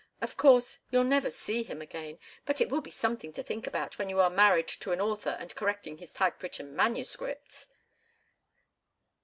Of course, you'll never see him again, but it will be something to think about when you are married to an author and correcting his type written manuscripts!"